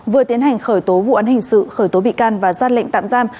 vừa tiến hành khởi tố vụ án hình sự khởi tố bị can và gian lệnh tạm gian